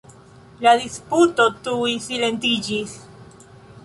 La disputo tuj silentiĝis.